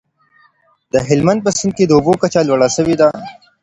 د هلمند په سیند کي د اوبو کچه لوړه سوې ده.